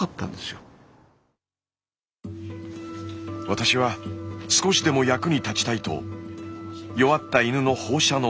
私は少しでも役に立ちたいと弱った犬の放射能の値を測定。